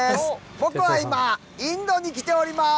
僕は今インドに来ております。